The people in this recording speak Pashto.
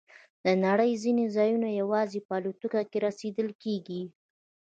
د نړۍ ځینې ځایونه یوازې په الوتکو کې رسیدل کېږي.